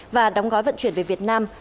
và đóng gói vận chuyển về việt nam